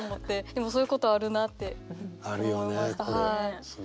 でもそういうことあるなって思います。